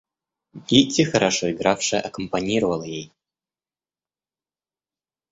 Кити, хорошо игравшая, акомпанировала ей.